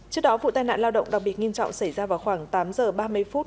trước đó vụ tai nạn lao động đặc biệt nghiêm trọng xảy ra vào khoảng tám giờ ba mươi phút